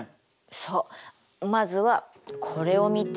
そうまずはこれを見て。